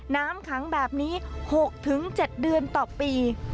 น้ำขังแบบนี้๖๗เดือนต่อปี